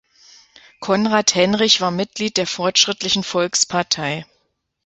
Konrad Henrich war Mitglied der Fortschrittlichen Volkspartei.